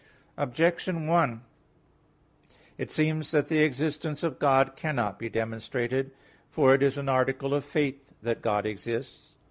Objection 1: It seems that the existence of God cannot be demonstrated. For it is an article of faith that God exists.